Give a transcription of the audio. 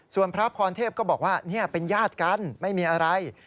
ส่วนพระพรเทพก็บอกว่าเป็นญาติกันไม่มีอะไร